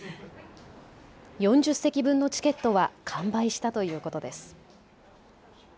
４０席分のチケットは完売したということです。